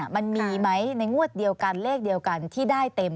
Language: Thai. มันมีไหมในงวดเดียวกันเลขเดียวกันที่ได้เต็ม